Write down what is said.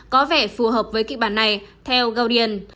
có vẻ phù hợp với kỹ bản này theo gaudian